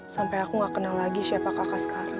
sampai aku gak kenal lagi siapa kakak sekarang